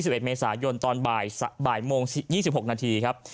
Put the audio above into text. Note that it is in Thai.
สิบเอ็ดเมษายนตอนบ่ายบ่ายโมงสี่ยี่สิบหกนาทีครับ